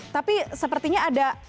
tapi sepertinya ada